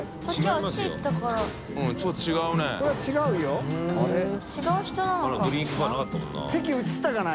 あのドリンクバーなかったもんな移ったかな？